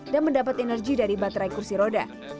dan mendapat energi dari baterai kursi roda